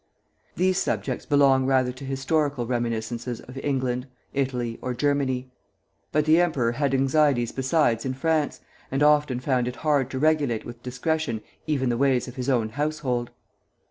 These subjects belong rather to historical reminiscences of England, Italy, or Germany; but the emperor had anxieties besides in France, and often found it hard to regulate with discretion even the ways of his own household.